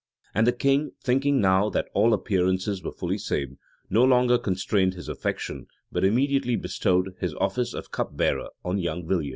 [*] And the king, thinking now that all appearances were fully saved, no longer constrained his affection, but immediately bestowed the office of cup bearer on young Villiers.